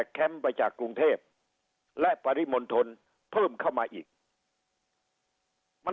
แคมป์ไปจากกรุงเทพและปริมณฑลเพิ่มเข้ามาอีกมัน